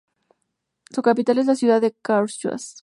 Su capital es la ciudad de "Carhuaz".